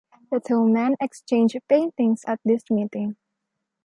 The two men exchanged paintings at this meeting.